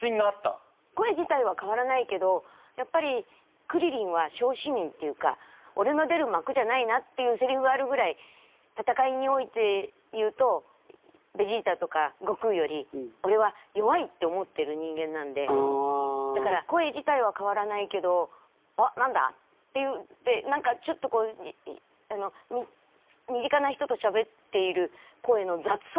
声自体は変わらないけどやっぱりクリリンは小市民っていうか「おれの出る幕じゃないな」っていうせりふがあるぐらい戦いにおいて言うと人間なんでだから声自体は変わらないけど「おっ何だ？」って言って何かちょっと身近な人としゃべっている声の雑さ